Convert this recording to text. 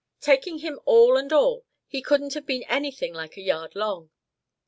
Taking him all and all, he couldn't have been anything like a yard long.